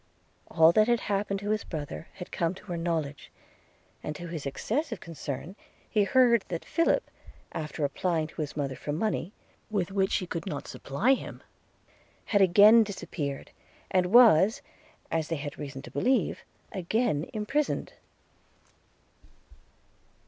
All that had happened to his brother, had come to her knowledge; and to his excessive concern he heard that Philip, after applying to his mother for money, with which she could not supply him, had again disappeared, and was, as they had reason to believe, again imprisoned.